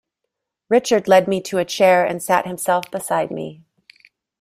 Richard led me to a chair and sat himself beside me.